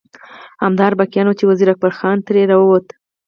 همدغه اربکیان وو چې وزیر اکبر خان ترې راووت.